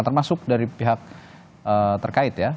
termasuk dari pihak terkait ya